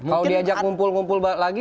kalau diajak ngumpul ngumpul lagi